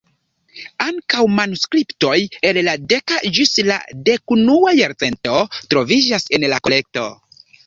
Ankaŭ manuskriptoj el la deka ĝis la dekunua jarcento troviĝas en la kolekto.